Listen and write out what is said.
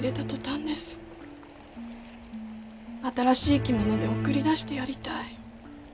新しい着物で送り出してやりたい。